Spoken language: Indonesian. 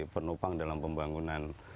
penopang dalam pembangunan